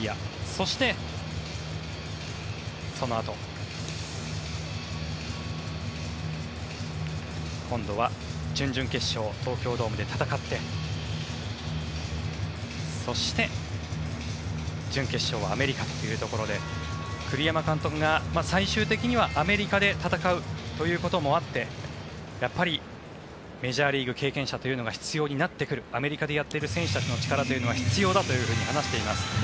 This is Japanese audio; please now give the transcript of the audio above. そして、そのあと今度は準々決勝を東京ドームで戦って、そして準決勝はアメリカというところで栗山監督が最終的にはアメリカで戦うということもあってやっぱりメジャーリーグ経験者というのが必要になってくるアメリカでやっている選手たちの力は必要だと話しています。